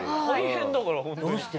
大変だから本当に。